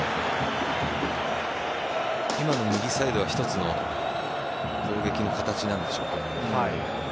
今の右サイドは一つの攻撃の形なんでしょうね。